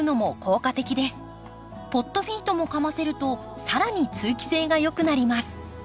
ポットフィートもかませると更に通気性がよくなります。